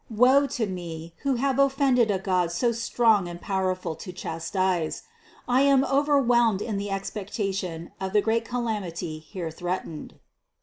Woe to me, who have offended a God so strong and powerful to chastise! I am over whelmed in the expectation of the great calamity here threatened.